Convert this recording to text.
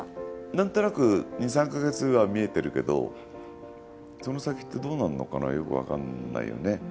なんとなく２３か月後は見えてるけどその先ってどうなんのかなよく分かんないよね。